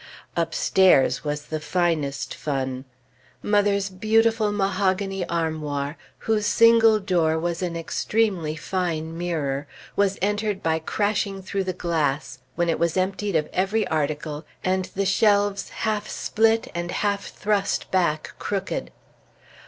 Upstairs was the finest fun. Mother's beautiful mahogany armoir, whose single door was an extremely fine mirror, was entered by crashing through the glass, when it was emptied of every article, and the shelves half split, and half thrust back crooked.